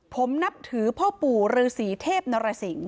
ผมนับถือพ่อปู่ฤษีเทพนรสิง